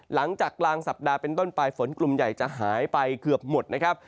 หลังจากกลางสัปดาห์เป็นต้นปลายฝนกลุ่มใหญ่จะหายไปเกือบหมดนะครับ